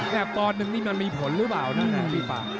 แล้วก็นึงมันมีผลหรือเปล่านะพี่ป่ะ